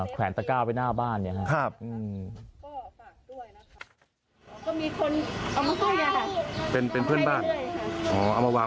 แขวนตะก้าไว้หน้าบ้าน